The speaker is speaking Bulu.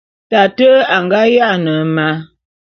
Tate a nga ya'ane ma.